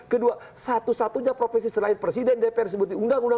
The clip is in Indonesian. kedua satu satunya profesi selain presiden dpr disebuti undang undang satu ratus empat puluh lima